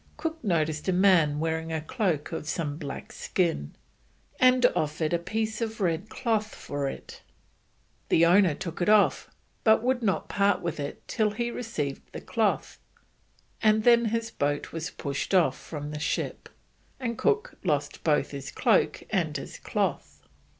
Cook noticed a man wearing a cloak of some black skin, and offered a piece of red cloth for it. The owner took it off, but would not part with it till he received the cloth, and then his boat was pushed off from the ship, and Cook lost both his cloak and his cloth.